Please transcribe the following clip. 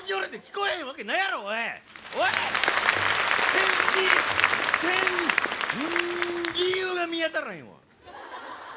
返事せん理由が見当たらへんわ。